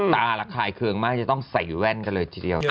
ตาลักษณ์ถ่ายเกิงมากจะต้องใส่แว่นกันเลยทีเดียว